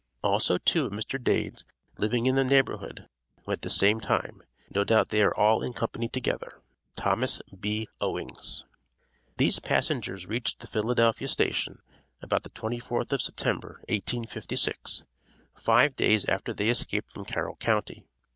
Also two of Mr. Dade's, living in the neighborhood, went the same time; no doubt they are all in company together. THOMAS B. OWINGS. s24 6tWit*|| These passengers reached the Philadelphia station, about the 24th of September, 1856, five days after they escaped from Carroll county.